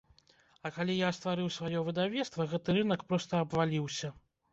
А калі я стварыў сваё выдавецтва, гэты рынак проста абваліўся.